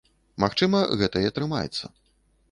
Магчыма, гэта і атрымаецца.